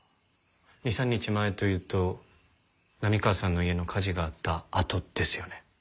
２３日前というと波川さんの家の火事があったあとですよね？